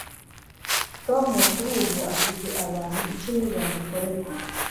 tom kuri ubu afite abantu icumi bamukorera